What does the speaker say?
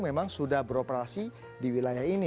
memang sudah beroperasi di wilayah ini